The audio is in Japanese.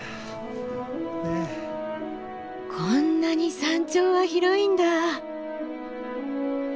こんなに山頂は広いんだ。